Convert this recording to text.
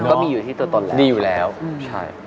ก็มีอยู่ที่ตัวตนแล้วใช่ไหมครับมีอยู่แล้วใช่